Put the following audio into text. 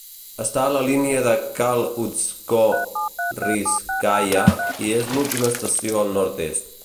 Està a la línia de Kaluzhsko-Rizhskaya i és l'última estació al nord-est.